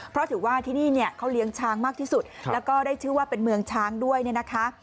เพราะถือว่าที่นี่เนี่ยเขาเลี้ยงช้างมากที่สุดแล้วก็ได้ชื่อว่าเป็นเมืองช้างด้วยเนี่ยนะคะ